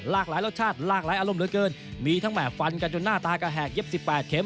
หลายรสชาติลากหลายอารมณ์เหลือเกินมีทั้งแห่ฟันกันจนหน้าตากระแหกเย็บสิบแปดเข็ม